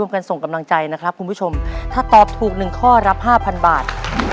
กันส่งกำลังใจนะครับคุณผู้ชมถ้าตอบถูกหนึ่งข้อรับ๕๐๐บาท